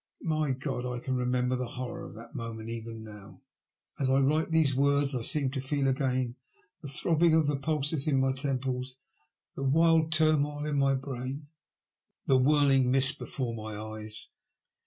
My God 1 I can remember the horror of that moment even now. As I write these words I seem to feel again the throbbing of the pulses in my temples, the wild turmoil in my brain, the whirling mist before my eyes.